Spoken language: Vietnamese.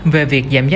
về việc giảm giá điện